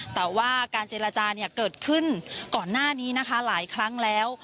แต่ว่าการเจรจาเนี่ยเกิดขึ้นก่อนหน้านี้นะคะหลายครั้งแล้ว